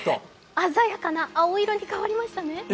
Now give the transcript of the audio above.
鮮やかな青色に変わりましたね。